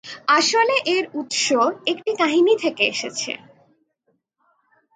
আসলে এর উৎস একটি কাহিনী থেকে এসেছে।